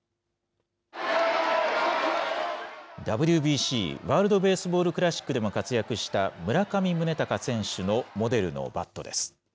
ＷＢＣワールド・ベースボール・クラシックでも活躍した村上宗隆選手のモデルのバットです。